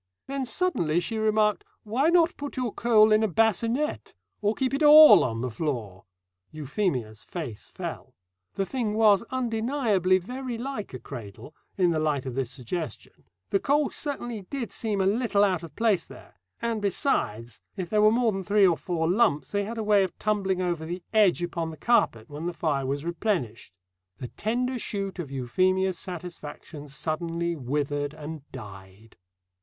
Then suddenly she remarked, "Why not put your coal in a bassinette? Or keep it all on the floor?" Euphemia's face fell. The thing was undeniably very like a cradle, in the light of this suggestion; the coal certainly did seem a little out of place there; and besides, if there were more than three or four lumps they had a way of tumbling over the edge upon the carpet when the fire was replenished. The tender shoot of Euphemia's satisfaction suddenly withered and died.